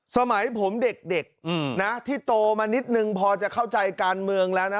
สมัยผมเด็กนะที่โตมานิดนึงพอจะเข้าใจการเมืองแล้วนะ